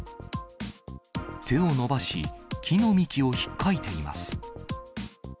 手を伸ばし、木の幹をひっかいています。